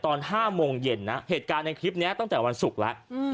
ตอน๕โมงเย็นนะเหตุการณ์ในคลิปนี้ตั้งแต่วันศุกร์แล้ว